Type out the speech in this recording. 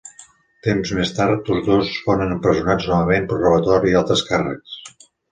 Temps més tard, tots dos foren empresonats novament per robatori i altres càrrecs.